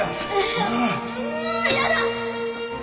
もう嫌だ！